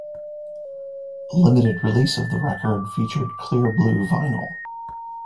A limited release of the record featured clear blue vinyl.